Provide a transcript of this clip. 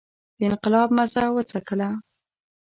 د انقلاب مزه وڅکله.